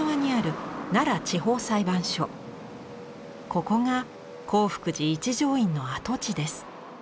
ここが興福寺一乗院の跡地です。